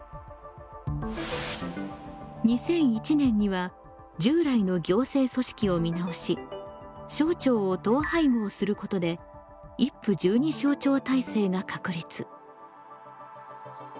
２００１年には従来の行政組織を見直し省庁を統廃合することで１府１２省庁体制が確立。